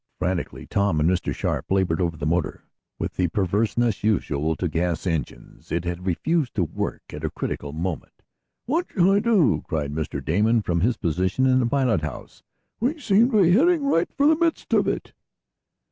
Frantically Tom and Mr. Sharp labored over the motor. With the perverseness usual to gas engines, it had refused to work at a critical moment. "What shall I do?" cried Mr. Damon from his position in the pilot house. "We seem to be heading right for the midst of it?"